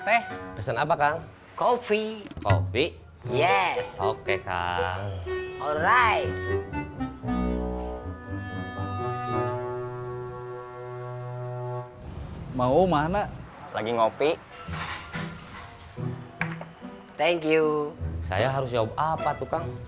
eh pesan apa kan kofi kofi yes oke kak alright mau mana lagi ngopi thank you saya harus jawab apa itu kan